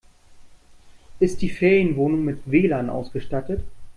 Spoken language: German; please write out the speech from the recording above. Ist die Ferienwohnung mit WLAN ausgestattet?